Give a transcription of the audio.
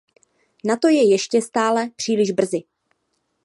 Na to je ještě stále příliš brzy.